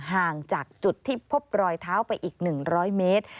ห่างจากจุดที่พบรอยเท้าไปอีก๑๐๐เมตร